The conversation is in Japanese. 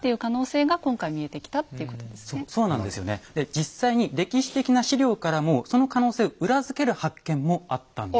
実際に歴史的な史料からもその可能性を裏付ける発見もあったんです。